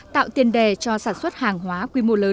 tạo tiền đề cho sản xuất hàng hóa quy mô lớn